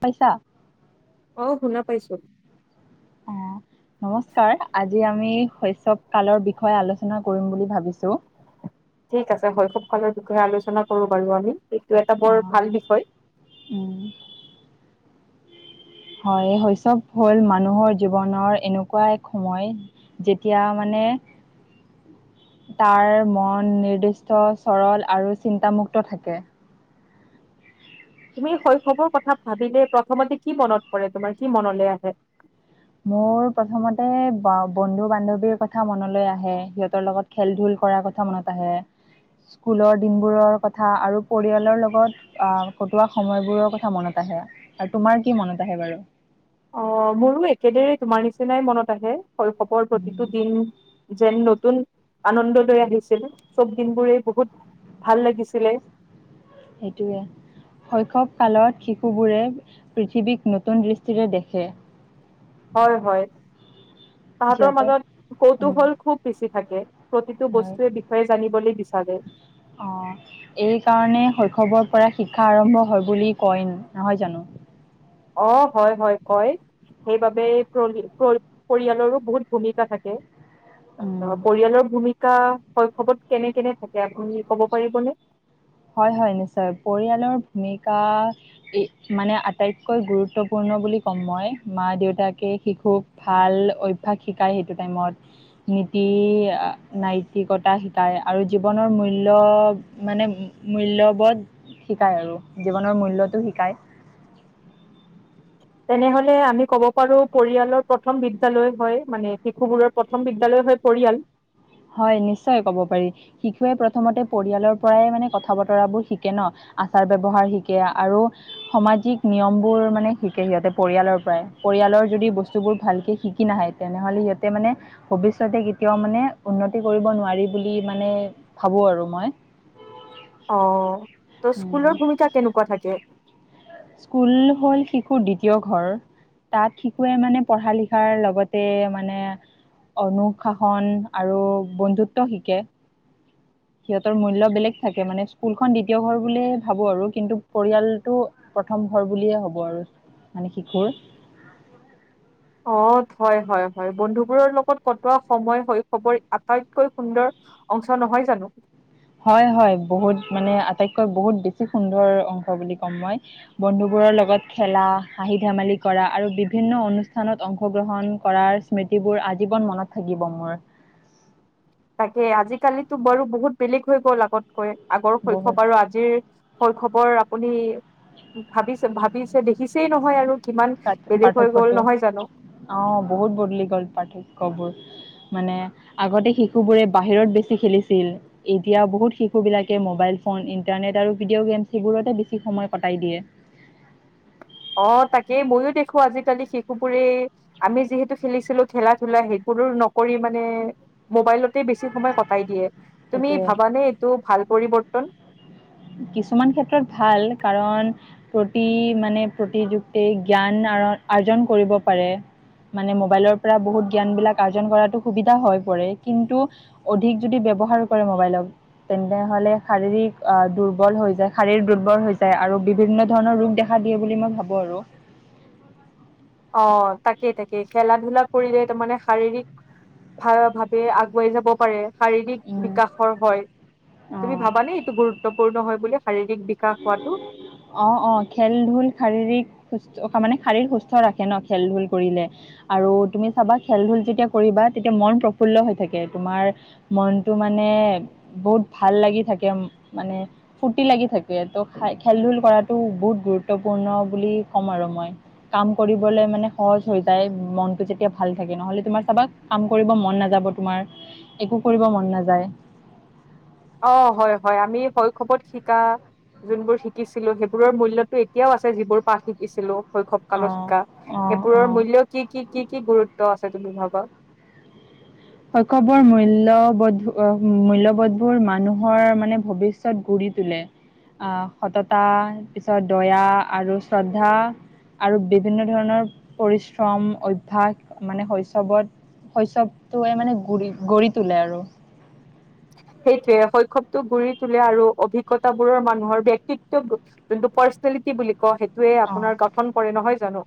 পাইছা? অ', শুনা পাইছো। অ',। নমস্কাৰ, আজি আমি শৈচৱ কালৰ বিষয়ে আলোচনা কৰিম বুলি ভাবিছো। ঠিক আছে। শৈশৱকালৰ বিষয়ে আলোচনা কৰো বাৰু আমি। এইটো এটা বৰ ভাল বিষয়। উম। হয়। শৈচৱ হ'ল মানুহৰ জীৱনৰ এনেকুৱা এক সময় যেতিয়া মানে তাৰ মন নিৰ্দিষ্ট চৰল আৰু চিন্তামুক্ত থাকে। তুমি শৈশৱৰ কথা ভাবিলে প্ৰথমতে কি মনত পৰে, তোমাৰ কি মনলৈ আহে? মোৰ প্ৰথমতে বন্ধু-বান্ধৱীৰ কথা মনলৈ আহে, সিহঁতৰ লগত খেল-ধূল কৰাৰ কথা মনত আহে, স্কুলৰ দিনবোৰৰ কথা আৰু পৰিয়ালৰ লগত আহ কটোৱা সময়বোৰৰ কথা মনত আহে, আৰু তোমাৰ কি মনত আহে বাৰু? অ', মোৰো একেদৰে তোমাৰ নিচিনাই মনত আহে, শৈশৱৰ উম, প্ৰতিটো দিন যেন নতুন আনন্দ লৈ আহিছিল, চব দিনবোৰে বহুত ভাল লাগিছিলে। সেইটোৱে। শৈশৱ কালত শিশুবোৰে পৃথিৱীক নতুন দৃষ্টিৰে দেখে। হয়, হয়, তাহতৰ সিহঁতৰ মাজত উম, কৌতুহল খুব বেছি থাকে। প্ৰতিটো হয় বস্তুৰ বিষয়ে জানিবলৈ বিচাৰে। অ', এই কাৰণে শৈশৱৰ পৰা শিক্ষা আৰম্ভ হয় বুলি কয়, নহয় জানো। অ', হয়, হয়, কয়। সেইবাবে পৰ-পৰিয়ালৰো বহুত ভূমিকা থাকে। তাৰপিছত, উম, পৰিয়ালৰ ভূমিকা শৈশৱত কেনে কেনে থাকে আপুনি কব পাৰিবনে? হয়, হয়, নিশ্চয়। পৰিয়ালৰ ভূমিকা ই মানে আটাইতকৈ গুৰুত্বপূৰ্ণ বুলি ক'ম মই, মা-দেউতাকে শিশুক ভাল অভ্যাস শিকায় সেইটো টাইমত। নীতি-নাইতিকতা শিকায়, আৰু জীৱনৰ মূল্য মানে মূল্যবোধ শিকায়, আৰু জীৱনৰ মূল্যটো শিকায়। তেনেহ'লে আমি কব পাৰো, পৰিয়ালৰ প্ৰথম বিদ্যালয় হয় মানে শিশু বোৰৰ প্ৰথম বিদ্যালয় হৈ পৰিয়াল। হয়, নিশ্চয় কব পাৰি। শিশুৱে প্ৰথমতে পৰিয়ালৰ পৰাই মানে কথা-বতৰাবোৰ শিকে নহ। আচাৰ-ব্যৱহাৰ শিকে আৰু সমাজিক নিয়মবোৰ মানে শিকে সিহঁতে পৰিয়ালৰ পৰাই, পৰিয়ালৰ যদি বস্তুবোৰ ভালকৈ শিকি নাহে তেনেহলে সিহঁতে মানে, ভৱিষ্যতে কেতিয়াও মানে উন্নতি কৰিব নোৱাৰি বুলি মানে ভাবোঁ আৰু মই। অ', ত' উম, স্কুলৰ ভূমিকা কেনেকুৱা থাকে? স্কুল হ'ল শিশুৰ দ্বিতীয় ঘৰ তাত শিশুয়ে মানে, পঢ়া-লিখাৰ লগতে মানে অনুশাসন আৰু বন্ধুত্ব শিকে। সিহঁতৰ মূল্য বেলেগ থাকে, মানে স্কুলখন দ্বিতীয় ঘৰ বুলিয়ে ভাবোঁ আৰু কিন্তু পৰিয়ালটো প্ৰথম ঘৰ বুলিয়েই হ'ব আৰু মানে শিশুৰ। অ', হয়, হয়, হয়। বন্ধুবোৰৰ লগত কটোৱা সময় শৈশৱৰ আটাইতকৈ সুন্দৰ অংশ নহয় জানো? হয়, হয়, বহুত মানে আটাইতকৈ বহুত বেছি সুন্দৰ অংশ বুলি ক'ম মই। বন্ধুবোৰৰ লগত খেলা, হাঁহি ধেমালি কৰা আৰু বিভিন্ন অনুষ্ঠানত অংশগ্ৰহণ কৰাৰ মৃতিবোৰ আজীৱন মনত থাকিব মোৰ। তাকে আজিকালিটো বাৰু বহুত বেলেগ হৈ গ'ল আগতকৈ, আগৰ বহুত শৈশৱ আৰু আজিৰ শৈশৱৰ আপুনি ভাবিছে, ভাবিছে দেখিছেই নহয় আৰু কিমান পাৰ্থ- বেলেগ হৈ গ'ল পাৰ্থক্যটো নহয় জানো? অ', বহুত বদলি গ'ল পাৰ্থক্য বোৰ। মানে আগতে শিশুবোৰে বাহিৰত বেছি খেলিছিল এতিয়া বহুত শিশু বিলাকে মোবাইল পোন, ইণ্টাৰনেট আৰু ভিডিঅ' গেমছ সেইবোৰতে বেছি সময় কটাই দিয়ে। অ তাকে মইয়ো দেখো আজিকালি শিশুবোৰে আমি যিহেতু খেলিছিলো খেলা-ধূলা সেইবোৰো নকৰি মানে মোবাইলতে বেছি সময় কটাই দিয়ে। তুমি সেইটোয়ে। ভাবানে এইটো ভাল পৰিবৰ্তন? কিছুমান ক্ষেত্ৰত ভাল কাৰণ প্ৰতি মানে প্ৰতিযুক্তি জ্ঞান আৰন আৰ্জন কৰিব পাৰে। মানে মোবাইলৰ পৰা বহুত জ্ঞানবিলাক আৰ্জন কৰাতো সুবিধা হৈ পৰে কিন্তু অধিক যদি ব্যৱহাৰ কৰে মোবাইলক তেন্তে হ'লে শাৰীৰিক আ দুৰ্বল হৈ যায় শাৰীৰ দুৰ্বল হৈ যায় আৰু বিভিন্ন ধৰণৰ ৰোগ দেখা দিয়ে বুলি মই ভাবো আৰু। অ তাকেই তাকে খেলা-ধূলা কৰিলে তাৰমানে শাৰীৰিক ভাল ভাৱে আগুৱাই যাব পাৰে। শাৰীৰিক বিকাশৰ হয় তুমি অঁ ভাবানে এইটো গুৰুত্ব পূৰ্ণ হয় বুলি শাৰীৰিক বিকাশ হোৱাটো? অ অ খেল-ধূল শাৰীৰিক তাৰমানে মানে শাৰীৰ সুস্থ ৰাখে ন খেল-ধূল কৰিলে। আৰু তুমি চাবা খেল-ধূল যেতিয়া কৰিবা তেতিয়া মন প্ৰফুল্ল হৈ থাকে। তোমাৰ মনটো মানে বহুত ভাল লাগি থাকে মানে ফূৰ্তি লাগি থাক কে ত' খাই খেল-ধূল কৰাটো বহুত গুৰুত্বপূৰ্ণ বুলি ক'ম আৰু মই। কাম কৰিবলে মানে সহজ হৈ যায় মনটো যেতিয়া ভাল থাকে। নহ'লে তোমাৰ চাবা কাম কৰিব মন নাযাব তোমাৰ একো কৰিব মন নাযায়। অ হয় হয়, আমি শৈশৱত শিকা যোনবোৰ শিকিছিলো সেইবোৰৰ মূল্যটো এতিয়াও আছে যিবোৰ পাঠ শিকিছিলো। শৈশৱ কালত অ', শিকা। অ', সেইবোৰৰ অ'। মূল্য কি কি কি কি গুৰুত্ব আছে তুমি ভাবা? শৈশৱৰ মূল্যবোধ মূল্যবোধবোৰ মানুহৰ মানে ভৱিষয়ত গঢ়ি তোলে। আ সততা পিছত দয়া আৰু শ্ৰদ্ধা আৰু বিভিন্ন ধৰণৰ পৰিশ্ৰম, অভ্যাস মানে শৈশৱত শৈশৱটোৱে মানে গঢ়ি গঢ়ি তোলে আৰু। সেইটোৱে শৈশৱটো গঢ়ি তোলে আৰু অভিজ্ঞতাবোৰৰ মানুহৰ ব্যক্তিত্ব গঢ়ি যোনটো পাৰ্চনেলিটি বুলি কওঁ সেইটোয়ে আপোনাৰ গঠন কৰে নহয় জানো।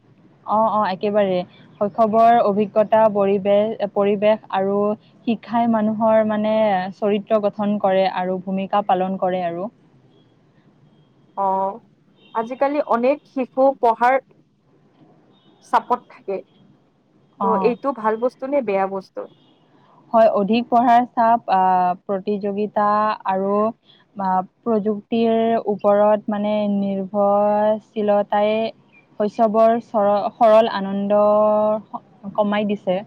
অ অ একেবাৰেই শৈশৱৰ অভিজ্ঞতা পৰিৱেশ পৰিৱেশ আৰু শিক্ষাই মানুহৰ মানে চৰিত্ৰ গঠন কৰে আৰু ভূমিকা পালন কৰে আৰু। অ, আজিকালি অনেক শিশু পঢ়াৰ চাপত থাকে। ত' অঁ এইটো ভাল বস্তু নে বেয়া বস্তু? হয় অধিক পঢ়াৰ চাপ আ প্ৰতিযোগিতা আৰু বা প্ৰযুক্তিৰ ওপৰত মানে নিৰ্ভৰশীলতাই শৈশৱৰ চৰ সৰল আনন্দ কমাই দিছে।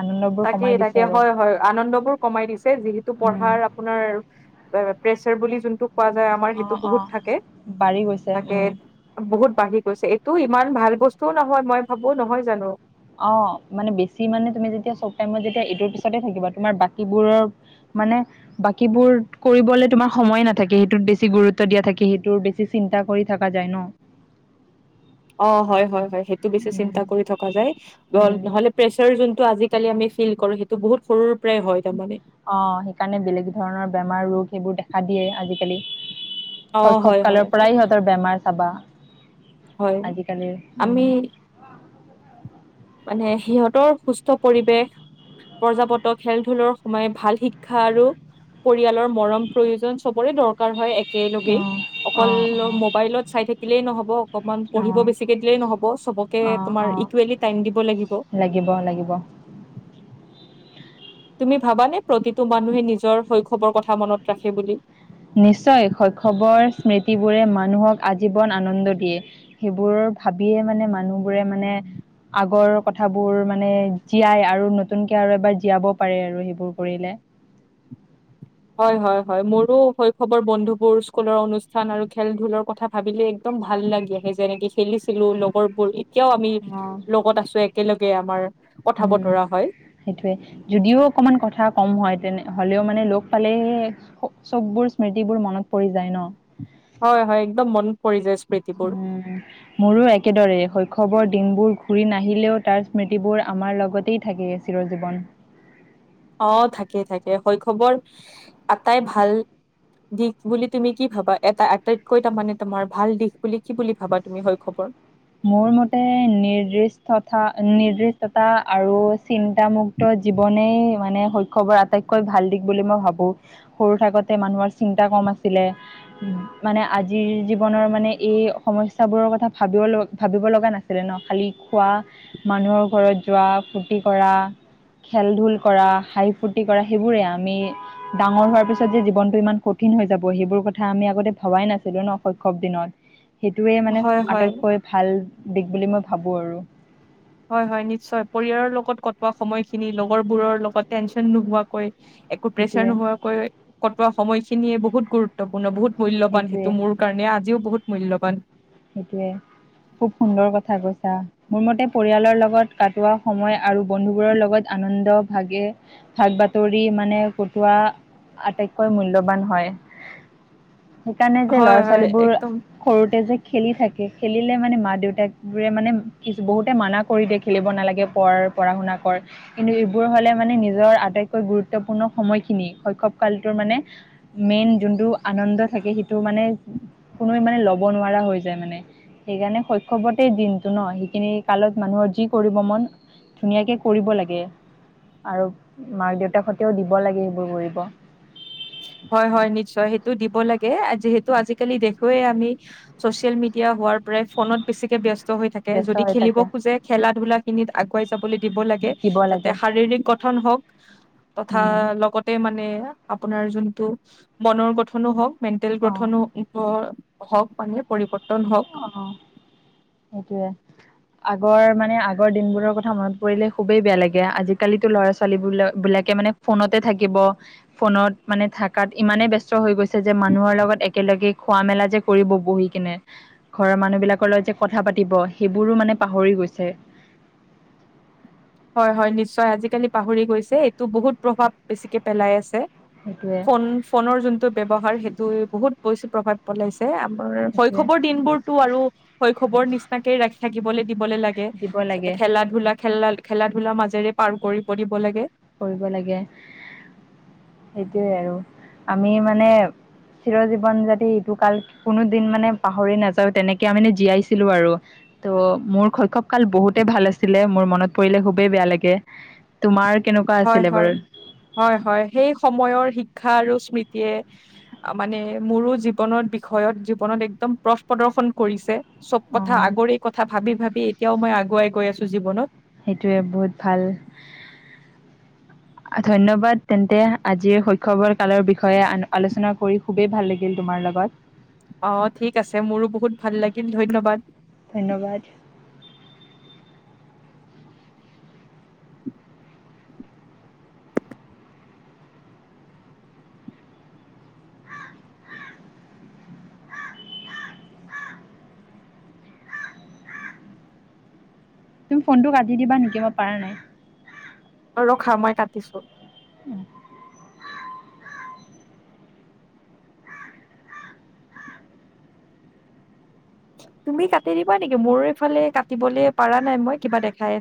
আনন্দ তাকেই তাকে হয় হয় আনন্দবোৰ কমাই দিছে যিহেতু উম, পঢ়াৰ আপোনাৰ প্ৰেচাৰ বুলি যোনটোক কোৱা যায় আমাৰ সেইটো অ', বহুত অ', থাকে বাঢ়ি গৈছে তাকে উম। বহুত বাঢ়ি গৈছে এইটো ইমান ভাল বস্তুও নহয় মই ভাবো নহয় জানো। অ, মানে বেছি মানে তুমি যেতিয়া চব টাইমত যেতিয়া এইটোৰ পিছতে থাকিবা তোমাৰ বাকীবোৰৰ মানে বাকীবোৰ কৰিবলৈ তোমাৰ সময়ে নাথাকে সেইটোত বেছি গুৰুত্ব দিয়া থাকে সেইটোৰ বেছি চিন্তা কৰি থাকা যায় ন। অ হয় হয় হয় সেইটো বেছি উম, চিন্তা কৰি থকা যায় উম। নহ'লে প্ৰেচাৰ যোনটো আজিকালি আমি ফিল কৰো সেইটো বহুত সৰুৰে পৰাই হয় তাৰমানে। অঁ' সেইকাৰণে বেলেগ ধৰণৰ বেমাৰ ৰোগ সেইবোৰ দেখা দিয়ে আজিকালি। অ শৈশৱ হয় হয় কালৰ হয় পৰাই সিহঁতৰ বেমাৰ চাবা হয় আজিকালিৰ, আমি উমঁ'। মানে সিহঁতৰ সুস্থ পৰিৱেশ- প্ৰজপত খেল ধূলৰ সময় ভাল শিক্ষা আৰু- পৰিয়ালৰ মৰম প্ৰয়োজন চবৰে দৰকাৰ হয়- একেলগে, অ', অকল অ', মোবাইলত চাই থাকিলেই নহ'ব- অকমান পঢ়িব অ', বেছিকে দিলেই নহ'ব, চবকে অ', অ', তোমাৰ অ'। ইকুৱেলি- টাইম দিব লাগিব। লাগিব লাগিব। তুমি ভাবানে প্ৰতিটো মানুহে নিজৰ শৈশৱৰ কথা মনত ৰাখে বুলি? নিশ্চয়, শৈশৱৰ স্মৃতিবোৰে মানুহক আজীৱন আনন্দ দিয়ে। সেইবোৰৰ ভাবিয়ে মানে মানুহবোৰে মানে- আগৰ কথাবোৰ মানে জীয়াই আৰু নতুনকে আৰু এবাৰ জীয়াব পাৰে আৰু সেইবোৰ কৰিলে। হয় হয় হয়, মোৰো শৈশৱৰ বন্ধুবোৰ স্কুলৰ অনুষ্ঠান আৰু খেল ধূলৰ কথা- ভাবিলে একদম ভাল লাগি আহে যেনেকৈ খেলিছিলোঁ লগৰবোৰ- এতিয়াও আমি লগত আছো একেলগে আমাৰ। কথা উমঁ। বতৰা হয় সেইটোৱে, যদিও অকমান কথা কম হয় তেনে হ'লেও মানে লগ পালেই- চ'ব বোৰ স্মৃতিবোৰ মনত পৰি যায় ন'। হয় হয়, একদম মন পৰি যায় স্মৃতি। উমঁ। মোৰো একেদৰে, শৈশৱৰ দিনবোৰ ঘূৰি নাহিলেও তাৰ স্মৃতিবোৰ আমাৰ লগতেই থাকে- চিৰ জীৱন। অঁ' থাকে থাকে, শৈশৱৰ এটাই ভাল- দিশ বুলি তুমি কি ভাবা এটা আটাইতকৈ তাৰ মানে তোমাৰ ভাল দিশ বুলি কি বুলি ভাবা তুমি শৈশৱৰ? মোৰ মতে নিৰ্দিষ্টতা, নিৰ্দিষ্ট তা আৰু চিন্তামুক্ত জীৱনেই মানে শৈশৱৰ- আটাইতকৈ ভাল দিশ বুলি মই ভাবোঁ, সৰু থাকোতে মানুহৰ চিন্তা কম আছিলে- মানে আজিৰ জীৱনৰ মানে এই সমস্যাবোৰৰ কথা ভাবিব ল- ভাবিব লগা নাছিলে ন' খালি খোৱা, মানুহৰ ঘৰত যোৱা, ফূৰ্তি কৰা খেল-ধূল কৰা, হাঁহি ফূৰ্তি কৰা সেইবোৰে, আমি ডাঙৰ হোৱাৰ পিছত যে জীৱনটো ইমান কঠিন হৈ যাব সেইবোৰ কথা আমি আগতে ভবাই নাছিলো ন' শৈশৱ দিনত। সেইটোৱে মানে হয় হয় আটাইতকৈ ভাল দিশ বুলি মই ভাবোঁ আৰু। হয় হয় নিশ্চয়, পৰিয়ালৰ লগত কটোৱা সময়খিনি, লগৰবোৰৰ লগত টেনশন নোহোৱাকৈ একো প্ৰেছাৰ সেইটোৱে নোহোৱাকৈ কটোৱা সময়খিনিয়ে বহুত গুৰুত্ব গুত্বপূৰ্ণ বহুত মূল্যবান সেইটোৱে সেইটো মোৰ কাৰণে আজিও বহুত মূল্যবান। সেইটোৱে, খুব সুন্দৰ কথা কৈছা। মোৰ মতে পৰিয়ালৰ লগত কটোৱা সময় আৰু বন্ধুবোৰৰ লগত আনন্দ ভাগে ভাগ বাতৰি মানে কটোৱা আটাইতকৈ মূল্যবান হয়। সেইকাৰণে যে হয় ল'ৰা হয় ছোৱালীবোৰ একদম সৰুতে যে খেলি থাকে খেলিলে মানে মা দেউতাকবোৰে মানে কিছু বহুতে মানা কৰি দিয়ে খেলিব নালাগে পঢ়াৰ পঢ়া শুনা কৰ। কিন্তু এইবোৰ হ'লে মানে নিজৰ আটাইতকৈ গুৰুত্বপূৰ্ণ সময়খিনি শৈশৱ কালটোৰ মানে মেইন যোনটো আনন্দ থাকে সেইটো মানে কোনোৱে মানে ল'ব নোৱাৰা হৈ- যায় মানে সেইকাৰণে শৈশৱতে দিনটো ন' সেইখিনি কালত মানুহৰ যি কৰিব মন ধুনীয়াকে কৰিব লাগে, আৰু মাক দেউতাক হতেও দিব লাগে সেইবোৰ কৰিব। হয় হয় নিশ্চয়, সেইটো দিব লাগে যিহেতু আজিকালি দেখুৱেই আমি ছচিয়েল মিডিয়া হোৱাৰ পৰাই ফোনত বেছিকে ব্যস্ত ব্যস্ত হৈ থাকে ব্যস্ত যদি হৈ খেলিব থাকে খোজে খেলা ধূলা খিনিত আগুৱাই যাবলৈ দিব লাগে দিব যাতে লাগে শাৰীৰিক গঠন হওক, তথা উম লগতে মানে আপোনাৰ যোনটো মনৰ গঠনো হওক, মেণ্টেল অ', গঠনো হ হওক মানে পৰিৱৰ্তন হওক। অ, সেইটোৱে। আগৰ মানে আগৰ দিনবোৰৰ কথা মনত পৰিলে খুবেই বেয়া লাগে, আজিকালিতো ল'ৰা ছোৱালী বি বিলাকে মানে ফোনতে থাকিব, ফোনত মানে থকাত ইমানে ব্যস্ত হৈ গৈছে যে মানুহৰ লগত একেলগে খোৱা মেলা যে কৰিব বহি কিনে ঘৰৰ মানুহ বিলাকৰ লগত যে কথা পাতিব, সেইবোৰো মানে পাহৰি গৈছে। হয় হয় নিশ্চয়, আজিকালি পাহৰি গৈছে এইটো বহুত প্ৰভাৱ বেছিকে পেলাই আছে। সেইটোৱে ফোন ফোনৰ যোনটো ব্যৱহাৰ সেইটো বহুত বেছি প্ৰভাৱ পেলাইছে ছে আমাৰ সেইটোৱে শৈশৱৰ দিন বোৰতো আৰু শৈশৱৰ নিচিনাকেই ৰাখি থাকিবলৈ দিবলৈ লাগে গে দিব লাগে খেলা ধূলা খেলা, খেলা ধূলাৰ মাজেৰে পাৰ কৰিব দিব লাগে। কৰিব লাগে, সেইটোয়ে আৰু, আমি মানে চিৰ জীৱন যদি এইটো কাল কোনো দিন মানে পাহৰি নাযাও তেনেকে মানে জীয়াইছিলো আৰু। ত' মোৰ শৈশৱ কাল বহুতেই ভাল আছিলে মোৰ মনত পৰিলে খুবেই বেয়া লাগে। তোমাৰ কেনেকুৱা হয় আছিলে হয়, বাৰু হয় হয়, সেই সময়ৰ শিক্ষা আৰু স্মৃতিয়ে মানে মোৰো জীৱনত বিষয়ত জীৱনত একদম প্ৰথ প্ৰদৰ্শন কৰিছে। চব অ কথা আগৰে কথা ভাবি ভাবি এতিয়াও মই আগুৱাই গৈ আছো জীৱনত। সেইটোৱে বহুত ভাল। ধন্যবাদ তেন্তে আজিৰ শৈশৱৰ কালৰ বিষয়ে আন আলোচনা কৰি খুবেই ভাল লাগিল তোমাৰ লগত। অ ঠিক আছে মোৰো বহুত ভাল লাগিল ধন্যবাদ। ধন্যবাদ। তুমি ফোনটো কাটি দিবা নেকি মই পৰা নাই। অ ৰখা মই কাটিছো। উম। তুমি কাটি দিবা নেকি মোৰ এইফালে কাটিবলৈ পাৰা নাই মই কিবা দেখাই আছে।